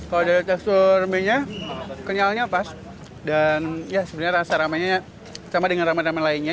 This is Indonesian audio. kalau dari tekstur mie nya kenyalnya pas dan ya sebenarnya rasa ramennya sama dengan ramen ramen lainnya